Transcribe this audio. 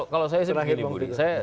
kalau saya begini budi